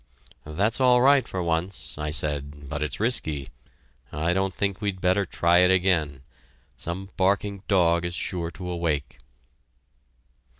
"That's all right for once," I said, "but it's risky; I don't think we'd better try it again. Some barking dog is sure to awake."